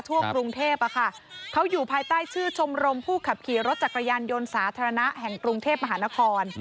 กรุงเทพเขาอยู่ภายใต้ชื่อชมรมผู้ขับขี่รถจักรยานยนต์สาธารณะแห่งกรุงเทพมหานคร